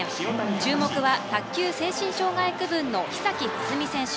注目は卓球・精神障害区分の久木霞選手。